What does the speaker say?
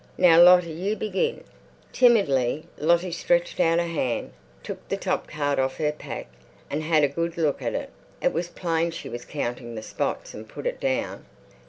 "Now, Lottie, you begin." Timidly Lottie stretched out a hand, took the top card off her pack, had a good look at it—it was plain she was counting the spots—and put it down.